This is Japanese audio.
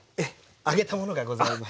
揚げたものがございます。